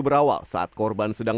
namanya di ganting